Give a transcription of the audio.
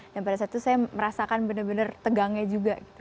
dan pada saat itu saya merasakan benar benar tegangnya juga